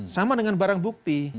sama dengan barang bukti